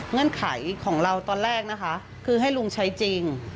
เงื่อนไขของเราตอนแรกนะคะคือให้ลุงใช้จริง